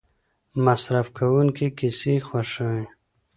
مصرف کوونکي کیسې خوښوي.